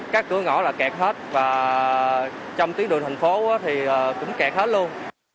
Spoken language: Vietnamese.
các cửa ngõ là kẹt hết và trong tuyến đường thành phố thì cũng kẹt hết luôn